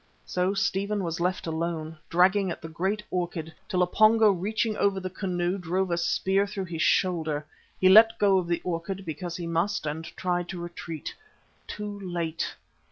So Stephen was left alone, dragging at the great orchid, till a Pongo reaching over the canoe drove a spear through his shoulder. He let go of the orchid because he must and tried to retreat. Too late!